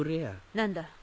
何だ？